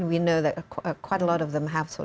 mengingatnya harus pergi